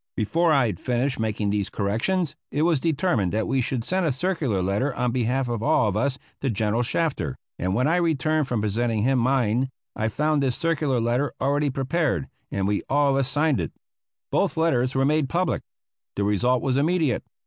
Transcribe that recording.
Before I had finished making these corrections it was determined that we should send a circular letter on behalf of all of us to General Shafter, and when I returned from presenting him mine, I found this circular letter already prepared and we all of us signed it. Both letters were made public. The result was immediate.